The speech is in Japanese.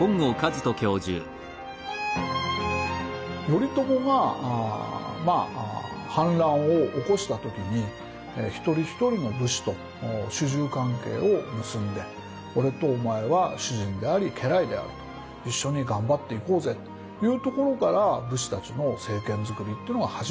頼朝が反乱を起こした時に一人一人の武士と主従関係を結んで俺とお前は主人であり家来であると一緒に頑張っていこうぜいうところから武士たちの政権作りというのが始まったわけですね。